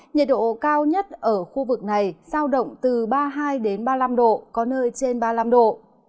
nhiệt độ cao nhất ở khu vực này sao động từ ba mươi hai ba mươi năm độ có nơi trên ba mươi năm độ